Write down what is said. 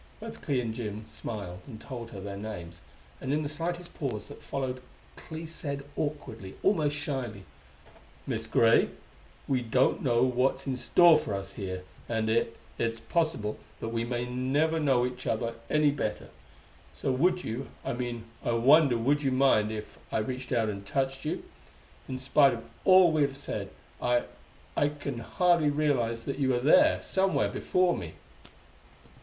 Both Clee and Jim smiled, and told her their names, and in the slight pause that followed Clee said awkwardly, almost shyly: "Miss Gray, we don't know what's in store for us here, and it it's possible that we may never know each other any better: so would you I mean, I wonder would you mind if I reached out and touched you. In spite of all we have said. I I can hardly realize that you are there, somewhere, before me."